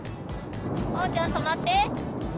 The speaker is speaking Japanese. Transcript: まおちゃん止まって！